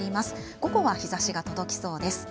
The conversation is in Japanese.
午後は日ざしが届きそうです。